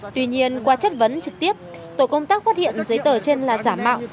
tuy nhiên qua chất vấn trực tiếp tổ công tác phát hiện giấy tờ trên là giả mạo